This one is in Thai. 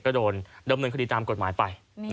ก็โดนดำเนินคดีตามกฎหมายไป